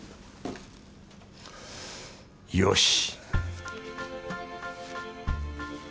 よし！